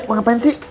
mau ngapain sih